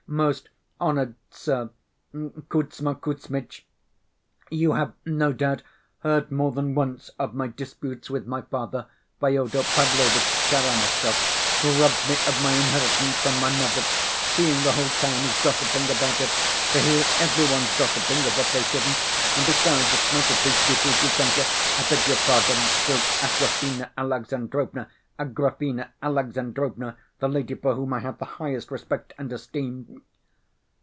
"Most honored sir, Kuzma Kuzmitch, you have no doubt heard more than once of my disputes with my father, Fyodor Pavlovitch Karamazov, who robbed me of my inheritance from my mother ... seeing the whole town is gossiping about it ... for here every one's gossiping of what they shouldn't ... and besides, it might have reached you through Grushenka ... I beg your pardon, through Agrafena Alexandrovna ... Agrafena Alexandrovna, the lady for whom I have the highest respect and esteem